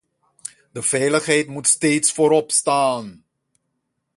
De veiligheid moet steeds vooropstaan.